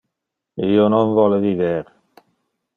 Io non vole viver.